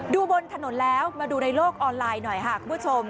บนถนนแล้วมาดูในโลกออนไลน์หน่อยค่ะคุณผู้ชม